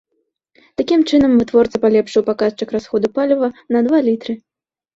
Такім чынам вытворца палепшыў паказчык расходу паліва на два літры.